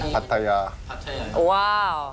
พัทยา